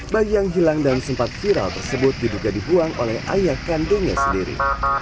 bagi yang hilang dan sempat viral tersebut diduga di buang oleh ayah kandungnya sendiri